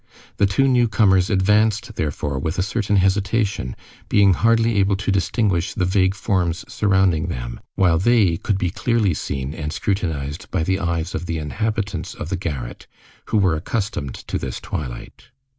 The two newcomers advanced, therefore, with a certain hesitation, being hardly able to distinguish the vague forms surrounding them, while they could be clearly seen and scrutinized by the eyes of the inhabitants of the garret, who were accustomed to this twilight.